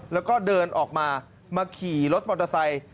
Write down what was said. แล้วก็เดินออกมามาขี่รถมอเตอร์ไซค์